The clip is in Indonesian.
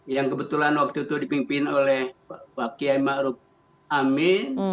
yang kebetulan waktu itu dipimpin oleh pak kiai ma'ruf amin